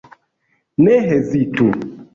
Ne hezitu!